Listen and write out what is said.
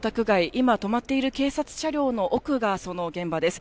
今、止まっている警察車両の奥がその現場です。